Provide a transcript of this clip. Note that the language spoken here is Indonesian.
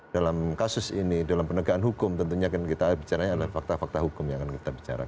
dalam kasus ini dalam penegakan hukum tentunya kan kita bicaranya adalah fakta fakta hukum yang akan kita bicarakan